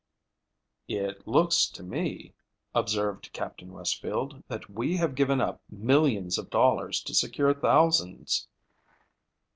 "It looks to me," observed Captain Westfield, "that we have given up millions of dollars to secure thousands."